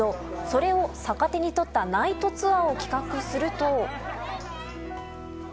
それを逆手にとったナイトツアーを企画すると。